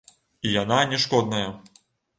І яна не шкодная.